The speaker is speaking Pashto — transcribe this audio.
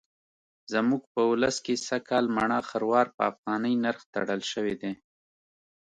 زموږ په ولس کې سږکال مڼه خروار په افغانۍ نرخ تړل شوی دی.